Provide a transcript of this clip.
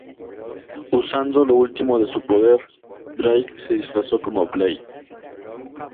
Usando lo último de su poder, Drake se disfraza como Blade.